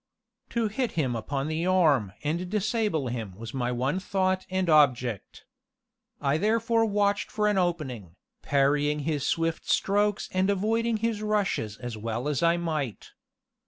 To hit him upon the arm, and disable him, was my one thought and object. I therefore watched for an opening, parrying his swift strokes and avoiding his rushes as well as I might.